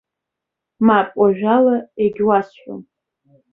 Мап, уажәала егьуасҳәом.